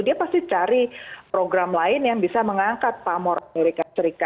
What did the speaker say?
dia pasti cari program lain yang bisa mengangkat pamor amerika serikat